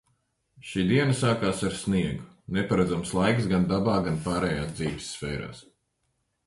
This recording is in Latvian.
Šī diena sākās ar sniegu. Neparedzams laiks – gan dabā, gan pārējās dzīves sfērās.